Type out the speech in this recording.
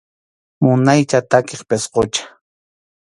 Munaycha takiq pisqucha.